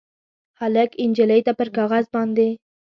هلک نجلۍ ته پر کاغذ باندې